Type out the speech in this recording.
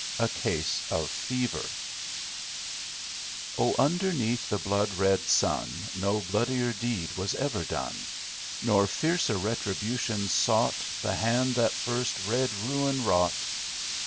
A Case Of Fever "O, underneath the blood red sun, No bloodier deed was ever done! Nor fiercer retribution sought The hand that first red ruin wrought."